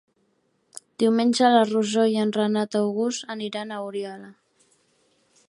Diumenge na Rosó i en Renat August iran a Oriola.